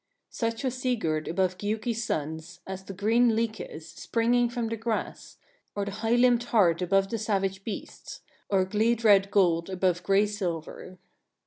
2. Such was Sigurd above Giuki's sons, as the green leek is, springing from the grass, or the high limbed hart above the savage beasts, or gleed red gold above grey silver.